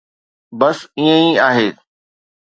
بس ائين ئي آهي.